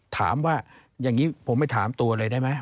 ถามว่าอย่างนี้ผมไม่ถามตัวเลยได้ไหม